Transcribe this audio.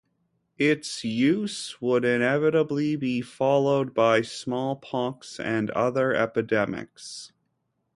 Its use would inevitably be followed by smallpox and other epidemics.